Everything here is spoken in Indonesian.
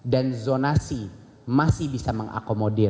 dan zonasi masih bisa mengakomodir